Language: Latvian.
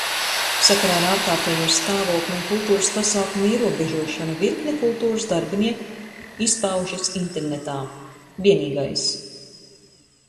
Sakarā ar ārkārtējo stāvokli un kultūras pasākumu ierobežošanu virkne kultūras darbinieku izpaužas internetā. Vienīgais.